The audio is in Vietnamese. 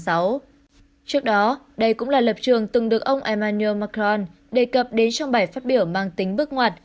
trước đó đây cũng là lập trường từng được ông emmanu macron đề cập đến trong bài phát biểu mang tính bước ngoặt